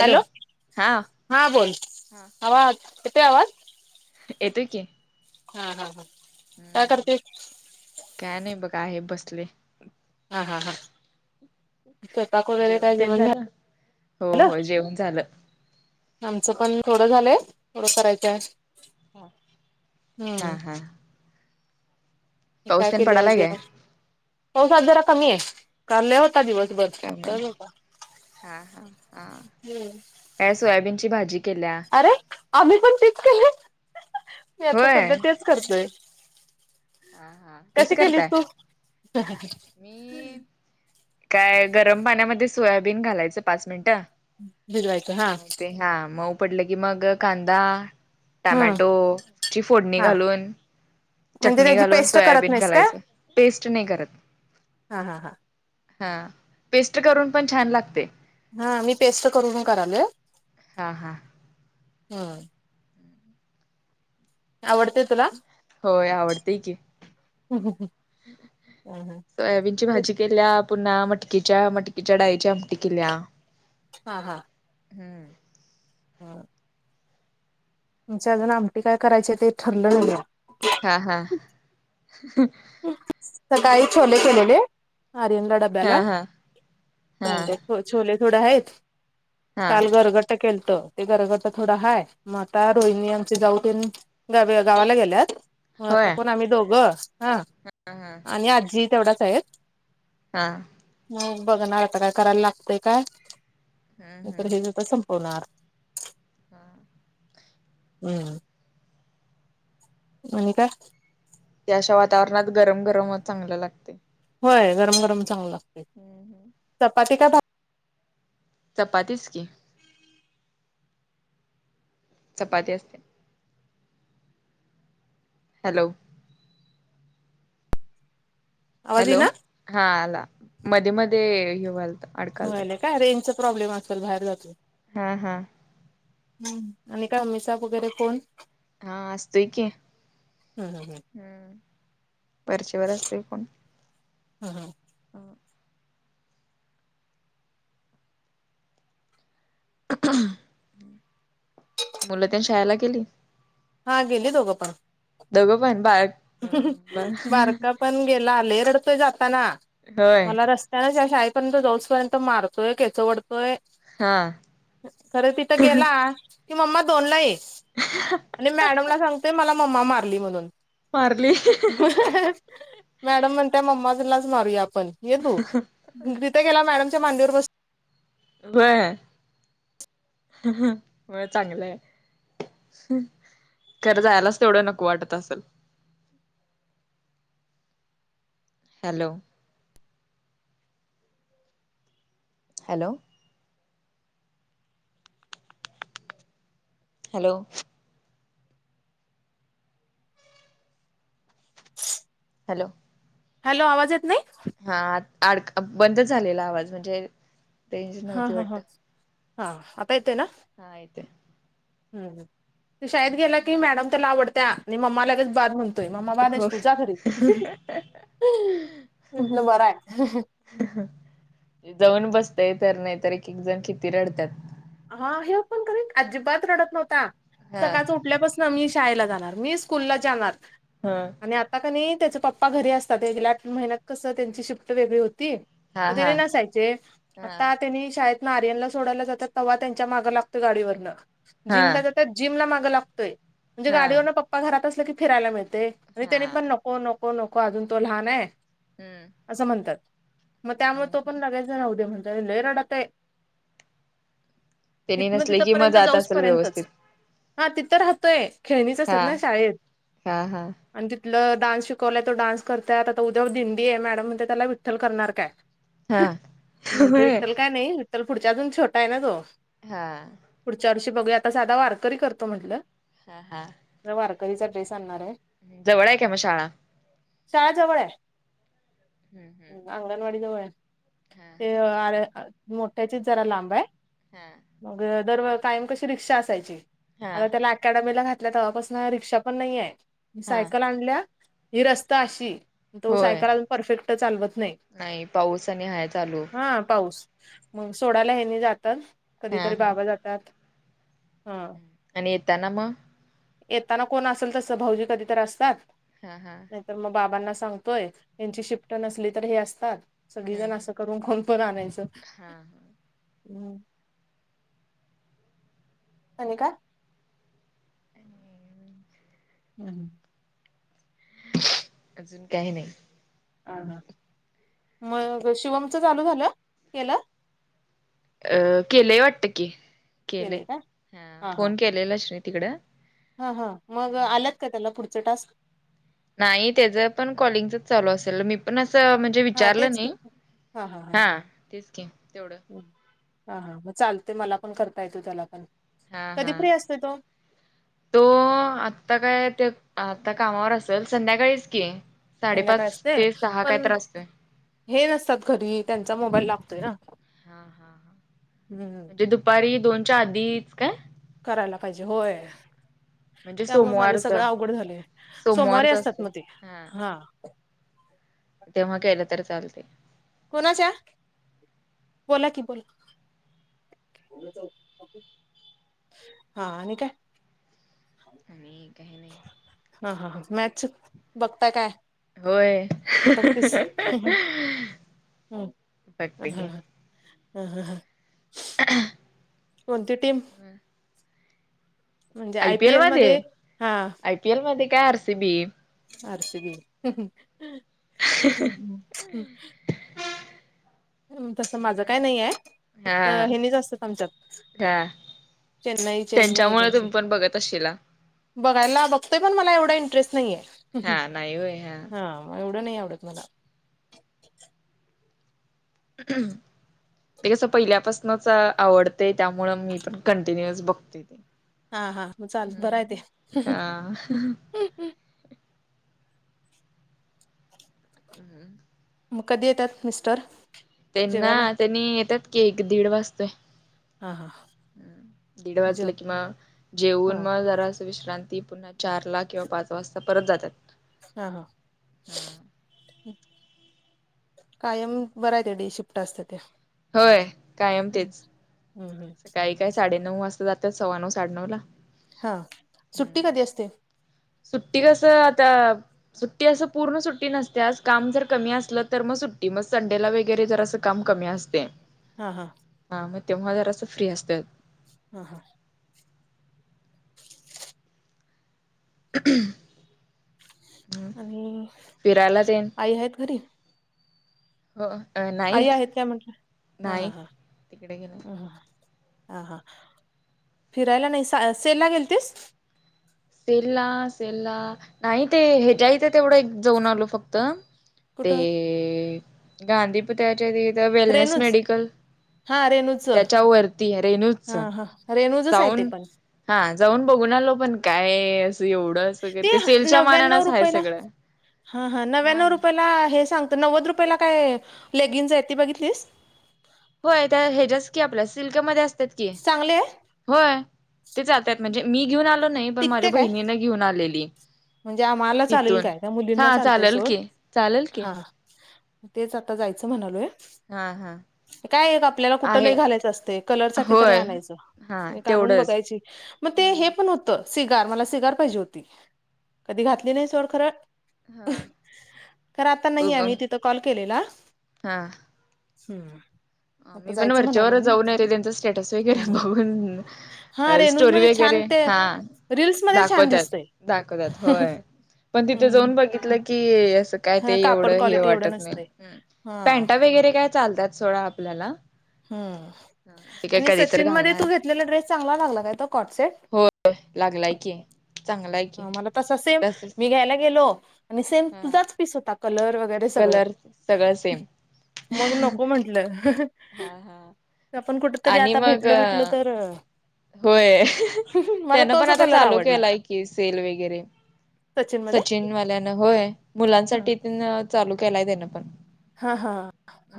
Hello हा हा बोल हा. आवाज येतोय आवाज. येतोय की. हा हा हा, काय करते ''हं''हं'' काय नाई बघ आहे बसलेय. हा हा हा, स्वयंपाक वैगरे काय जेवण झालं हो झालं. हो जेवण झालं. आमचं पण थोडं झालंय थोडं करायचं अजून. हा हा हा, मग काय पाऊस तेन केलं आज पडालाय काय? जेवण पावस आज जरा कमी ए काल लई होता दिवसभर. काल होता काय सोयाबीनची भाजी केलीया. अरे आम्ही पण तेच केलंय मी आता होय. सध्या तेच करतोय. हा हा. कशी कसं केलीस करताय? तू. मी काय गरम पाण्यामध्ये सोयाबीन घालायचं पाच मिनिटं. भिजवायचं हा. मग ते हा मऊ पडलं की मग कांदा. हम्म टॅमॅटोची फोडणी हा घालून. म्हणजे चटणी त्याची घालून पेस्ट करत सोयाबीन नाहीस काय घालायचं पेस्ट नाही करत. हा हा हा हा पेस्ट करून पण छान लागतंय. हा मी पेस्ट करून करायलोय. हा हा, ह, आवडते तुला. होय आवडतेय की. सोयाबीनची भाजी केल्या पुन्हा मटकीच्या मटकीच्या डाळीची आमटी केल्या. हा हा, हम्म. [unintelligible] आमची अजून आमटी काय करायची ते ठरलं नाईये. हा हा हं. सकाळी छोले केलेले आर्यंनला हा डब्याला हा हा छोले थोडे हायत हा काल गरगट केलतं ते गरगटं थोडं हाय मग आता रोहिणी आमची जाऊ तेन गावी -गावाला गेल्यात म आता होय कोण आम्ही दोघ हा हा हा. आणि आजी तेवढच हायत. हा. हम् बघणार आता काय करायला लागतंय काय हम्म नाय तर हेज्यातच संपवणार. हा. हम्म. आणि काय? ह्या अशा वातावरणात गरम गरमच चांगलं लागतंय. होय गरम गरम चांगलं लागतंय. [unintelligible] चपाती का भा चपातीच की. चपाती असतिया. हॅलो. आवाज हॅलो येईना हा आला मध्ये मध्ये हे व्हायलाता अडकाय व्हायलय काय रेंजचा प्रॉब्लेम असल बाहेर जातोय. हा हा. हम् आणि काय मम्मी चा वगैरे फोन? हा असतोय की हम्म हम्म हम् वरचीवर असतोय फोन. [unintelligible] [inaudible] मुलं तेन शाळेला गेली? हा गेली दोघं पण. दोघं पण बा बारका पण गेला लय रडतोय जाताना होय मला रस त्यान शाळेपर्यंत जाऊस पर्यंत मारतोय केस ओढतोय. हा खरं तिथं गेला कि मम्मा दोनला ये. आणि मॅडमला सांगतोय मला मम्मा मारली म्हणून. मारली मॅडम म्हणतिया मम्मालाच मारूया आपण ये तु. तिथ गेला मॅडमच्या मांडीवर बस व्हय व्हय चांगलंय. खरं जायलाच तेवढं नको वाटत असल. Hello. Hello. Hello. Hello. Hello आवाज येत नाही. हा आत आड बंद झालेला आवाज म्हणजे रेंज हा नव्हती हा वाटत हा हा, आता येतोय ना? हां येतोय. ह, तो शाळेत गेला की मॅडम त्याला आवडत्या आणि मम्मा लगेच बाद म्हणतोय, मम्मा बाद हो आहेस तु जा घरी. म्हटलं बरराय. जाऊन बसतय तर, नायतर एक एक जण किती रडत्यात. हा हे पण खरय अजिबात रडत नव्हता, हा सकाळचा उठल्यापास न मी शाळेला जाणार, मी स्कूलला ज्याणार. हां आणि आता क णी त्याच पप्पा घरी असतात, गेल्या आठ महिन्यात कसं त्यांची शिफ्ट वेगळी होती. हा म हा त्यानी नसायचे, हा आता त्यांनी शाळेतन आर्यनला सोडायला जातात. तवा त्यांच्या माग लागतोय गाडीवरन, जिमला हा जातात जिम ला माग लागतोय, म्हणजे हा गाडीवरनं पप पप्पा घरात असलं की फिरायला मिळतय, आणि हा त्यानी पण नको नको नको अजून तो लहान हाय. हम्म असं म्हणतात, म त्यामुळ तो पण लगेच राहूदे म्हणतंय लय रडतय. त्यांनी इथनं नसले तिथं की मग पर्यंत जात जाऊच असेल व्यवस्थित पर्यंतच, हा तिथं राहतय. खेळणीच असतात हा ना शाळेत. हा हा आणि तिथलं डान्स शिकवलाय तो डान्स करतंय आता त उद्या दिंडी ये मॅडम म्हणतात त्याला विठ्ठल करणार काय? हा मी म्हटलं होय विठ्ठल काय नाय विठ्ठल पुढच्या अजून छोटा आहे ना तो. हा पुढच्या वर्षी बघूया आता साधा वारकरी करतो म्हटलं. हा हा. म वारकरीचा ड्रेस आणणारये. जवळ आहे का म शाळा? शाळा जवळ ये हम्म हम्म अंगणवाडी जवळ ये. हा ते आरे अ मोठ्याचीच जरा लांब ये. हा मग दर कायम कशी रिक्षा असायची हा हा आता त्याला अकॅडमीला घात तल्या तवापासनां रिक्षा पण नाहीये हा सायकल आणल्या ही रस्ता अशी तो होय सायकल अजून परफेक्ट चालवत नाही. नाही पाऊस आणि हाय चालू हा पाऊस मंग सोडाला ह्यांनी जातात हा कधीतर हा बाबा जात तात हा आणि येताना म येताना कोण असल तसं भाऊजी कधी तर असतात. हा हा नायतर म बाबांना सांगतोय त्यांची शिफ्ट नसली तर हे असतात. सगळी हम्म जण असं हम्म करून कोण पण आणायचं. हा हा हम् आणि काय हं हम्म अजून काही नाही. हां. हां. मग शिवमच चालू झालं? केल? अ. केलंय वाटत की. केलंय केले का ह. हा हा फोन केलेला श्रुती कडं हा हा. मग आल्यात का त्याला पुढचे टास्क? नाही त्याच पण कॉलिंगचच चालू असेल. मी पण असं म्ह- हा विचारलं तेच की नाही. हा. तेच की तेवढ. हा हा. मग चालते. मला पण करता येतो त्याला पण. हा कधी हा. फ्री असते तो तो आत्ता काय? ते आता कामावर असेल संध्याकाळीच की. संध्याकाळी साडेपाच असते ते सहा कायत पण असतोय. हे नसतात घरी. त्यांचा मोबाईल लागतोय ना? हा. हा. हा. हम्म म्हणजे दुपारी दोनच्या आधीच काय? करायला पाहिजे. होय. म्हणजे त्यामुळे माझं सोमवारच सगळं अवघड झालय. सोमवारी सोमवारच असतात असते मग ते हा. तेव्हा केलं तर चालतय. कुणाचा? बोला की बोला. हा आणि काय? आणि काहीनाही. हा. हा. हा. मॅचच बघताय काय? होय. बघतीस हं. बघते की. ह हा ह. ह कोणती टीम? बर म्हणजे आय पी एल मध्ये, हा. पी एल मध्ये का R C B? R C B. तसं माझं काय नाही आहे. हा फक्त हेनी जा असतं आमच्यात. हा चेन्नई चेन्नईए त्यांच्यामुळे त्यांची. तुम्ही पण बघत असशीला बघायला बघते पण मला एवढा इंटरेस्ट नाहीेए. हा नाही होय हा हं. एवढं नाही आवडत मला. हम्म ते कसं पहिल्यापासूनच आवडते त्यामुळ मी पण कंटिन्युअस बघते ते. हा हा मग चाल बरं हं. आहे ते हां. हम्म. मग कधी येतात मिस्टर? त्यांना, जेवायला त्यांनी येतात की एक दीड वाजतोय. हां. हां. हं. दीड वाजलं की म, हा जेवून मग जरास विश्रांती पुन्हा- चार ला किंवा पाच वाजता परत जातात. हा. हा. हा. कायम बराय ते डी शिफ्ट असता त्या. होय. कायम तेच. सकाळी काय साडेनऊ वाजता जातात. सव्वा नऊ साडेनऊ ला. हा. सुट्टी कधी असते? सुट्टी कसं आता सुट्टी असं पूर्ण सुट्टी नसते. आज काम जर कमी असलं तर मग सुट्टी. मग संडेला वगैरे जर असं काम कमी असत. पे हा. हां. हा म तेव्हा जरासं फ्री असते. ह. ह. ह्. आणि फिरायला तेन आई आहेत घरी हो नाही आई आहेत काय म्हटलं? ह ह नाही ह. तिकडे गेलं ह ह ह. हा. हा. फिरायला नाही स सेलला गेल तेस? सेलला सेलला. नाही ते हेज्या इथ ते तेवढं जाऊन आलो फक्त. कुठं? ते गांधी [unintelligible] त्याच्या वेलनेस रेणूज? मेडिकल. हां रेणूचं. त्याच्या वरती रेनूच. हां हां रेणूजच आहे ते जाऊन पण. हा जाऊन बघून आलो पण काय असं एवढं असं ते सेलच्या नव्यानऊ मानानच आहे रुपयला, सगळं ह ह हा नव्यानऊ रुपला हे सांग तर नव्वद रुपयाेला काय, लेगिंगजे ती बघितलीस? होय त्या ह्याच्यास की आपल्या सिल्कमध्ये असतात की. चांगली आहे? होय ते जातेत. म्हणजे मी घेऊन आलो नाही. पण माझ्या टिकते काय? बहिणीने घेऊन आलेली. म्हणजे आम्हाला चालेल तिथून काय? त्या मुलींना हा चालतेय चालेल सोड. की चालेल की हा हा. तेच आता जायचं म्हणालोय. हा, हा. काय आपल्याला कुठ आहे लई घालायचं असतय. कलर साठी तरी होय आणायचं. हा एक आनून तेवढंच बघायची. मग ते हे पण हम्म होतं. सिगार. मला सिगार पाहिजे होती. कधी घातली नाही सोड खरं. हा खर आता नाहीये. उगम मी तिथं कॉल केलेला. हम्म. आता आम्ही पण जायचं म्हणाले वरच्यावर मी जाऊन रे त्यांचा स्टेटस ह वगैरे हा बघून. स्टोरी वगैरे हा. रीलसमध्ये छान दाखवतात दिसतय. दाखवतात. होय पण तिथे जाऊन बघितलं की असं काय हा ते कापड एवढं हे क्वालिटी एवढं वाटत नाही. नसते हा पॅनटा वगैरे काय चालतात सोडा आपल्याला. हम्म ते काय आणि कधी तर सचिनमध्ये घालणार तू घेतलेला ड्रेस चांगला लागला काय? तो कॉटसेट. होय लागलाय की चांगलाय की ह मला तसा सेम तसच मी घ्यायला गेलो. आणि सेम हा तुझाच पीस होता. कलर वगैरे. ते सगळ. कलर सगळं सेम मग नको म्हंटलं. हा हा आपण कुठ तरी आणि आता मग भेटलो बीटलो तर होय. मला त्यान पण तोच आता कलर चालू आवडला केलाय की, सेल वगैरे. सचिन वाल्यान होय. मुलांसाठी तेन चालू केलाय त्यान पण. ह ह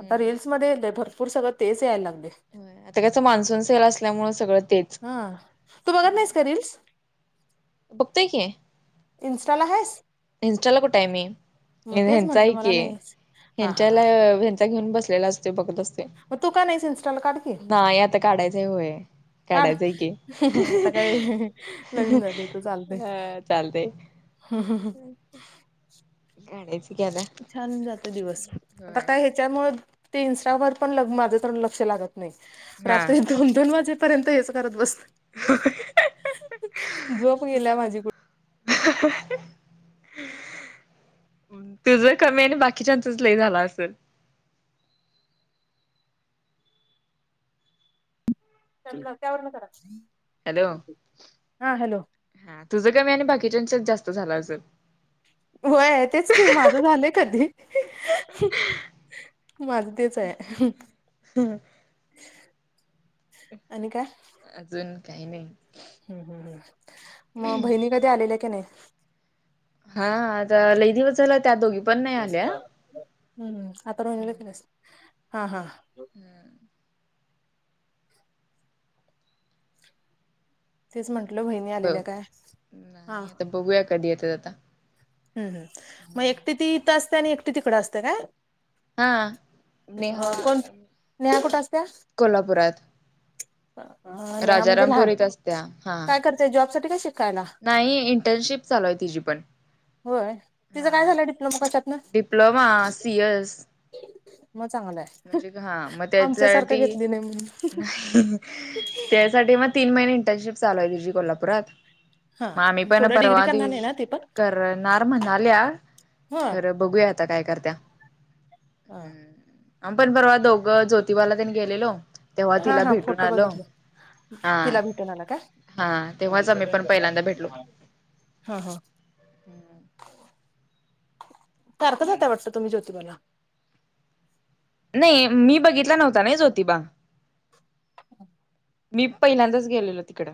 आता रीलसमध्ये भरपूर सगळं तेच यायला लागले. आता त्याच मान्सून सेल असल्यामुळें सगळं तेच. हा तू बघत नाहीस का रीलस? बघतेय की. इनस्टाला हायेस? इनस्टाला कुठय मी. हेनच म्हंटलं हाये मला की. नाहीस हा हा हा हच्याला ह्यांचा घेऊन बसलेला असतो. बघत असतो. मग तू का नाहीस इन्स्टाला काढ की नाहीं आंता काढायचं होयं काढ काढायचंय की आता काय लग्न हं चालतंय. हम्मं हम्मं हं. अच्छा! ग. [unintelligible] छान जांते दिवस आंता होय कायं त्यांच्यामुळे ते इन्स्टावरं पणं माझं तरण लक्षं लागतं. नाहीं हा. रात्री दोन दोन वाजेपर्यंत हेचं करतं बसते. झोंप गेल्यां माझी कुठे [inaudible] [unintelligible] तुझं कमी आणि बाकी नसतं लई झांला असेल. त्यांवर करां नाहीं. हॅलो हां तुझं कमी आणि बाकीच्यांच्या चं जास्तं झालं असलं व्हयं कि तेचं खी माझं झालंय कधीं माझं तेचं आहे. आणि कां अजूंन कांहीं नाहीं. हंम हम्मं मंग बहिणी कधी आलेल्यां की नाहीं. हां आंता लई दिवसं झांला त्यां दोघी. पण नाही आल्या हम्मं आंता म्हलं हां हां. हम्मं तेचं म्हंटल बहिणी आलेल्यां कायं हां. बघूंया कधीं येतांत आंता. हम्मं हं मंग एकटी तीथं असते आणि एकटे तिकडं असते कायं. हां नेहां कोण नेहा कुठं असत्या कोल्हांपुरांत. राजारामंपुरीत असत्यां हां. ते जॉब सांठी कायं शिकायंला. नाहीं इंटर्नशिप चालूं आहे तिची पणं. होय तिचं काय हां झालं डिप्लोमा कशातनं डिप्लोमा सीएस. मंग चांगलंय आहे म्हणजे हां मंग त्यांच्या आमच्यासारखं घेतली नाही म्हणून नाहीं. त्यांसाठी मंग तीन महिने इंटर्नशिप चालूं आहे तुझी कोल्हांपुरात. मंग आम्हीं हा पणं पुढं डिग्री पर्वा करणार दिऊं नाही ना ती पण करणारं म्हणाल्यां ह खरं बघूंया. आंता कायं करत्यां. हां. पणं पर्वा दोघं ज्योतिबालां त्यांनी गेलेलो तेंव्हा हा तिलां हा भेटूंन फोटो आलो. बघितले हां तिला भेटून आला काय हां तेव्हांच आम्हीं पणं पहिल्यांदा भेटलो. हां हां फारख जातं वाटतं तुम्हीं ज्योतिबांला. नाहीं मी बघितलं नव्हतां नां ज्योतिबां. मी पहिल्यांदाच गेलेलो तिकडं.